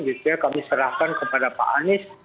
jadi kami serahkan kepada pak anies